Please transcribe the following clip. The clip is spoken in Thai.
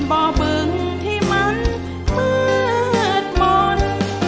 บ่บึงที่มันมืดหมด